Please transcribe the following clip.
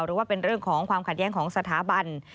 หรือว่าเป็นเรื่องของความขัดแย้งของสถาบัน